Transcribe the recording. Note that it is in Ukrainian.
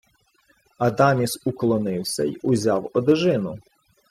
Адаміс уклонився й узяв одежину.